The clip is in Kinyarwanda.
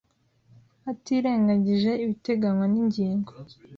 Hatirengagijwe ibiteganywa n ingingo